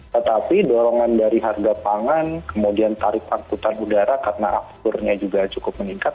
tetapi dorongan dari harga pangan kemudian tarif angkutan udara karena afturnya juga cukup meningkat